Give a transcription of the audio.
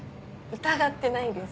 疑ってないですから。